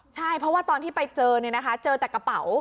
ใช่เพราะว่าตอนที่ไปเจอเจอแต่กระเป๋า